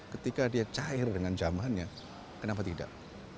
ketika dia cair dengan zamannya kenapa tidak